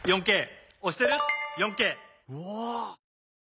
４Ｋ押してる？